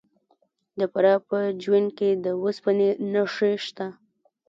د فراه په جوین کې د وسپنې نښې شته.